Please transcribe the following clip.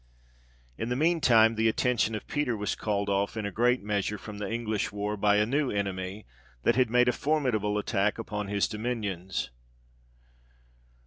In the mean time the attention of Peter was called off, in a great measure, from the English war, by a new enemy, that had made a formidable attack upon his dominions.